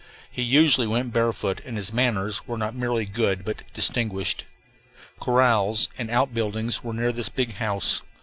He usually went barefoot, and his manners were not merely good but distinguished. Corrals and outbuildings were near this big house.